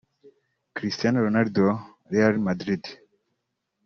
Cristiano Ronaldo (Real Madrid)